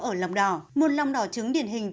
ở lòng đỏ một lòng đỏ trứng điển hình